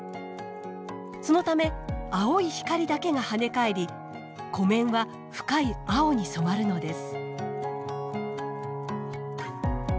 そのため青い光だけが跳ね返り湖面は深い青に染まるのです。